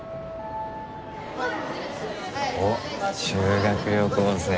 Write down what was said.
おっ修学旅行生。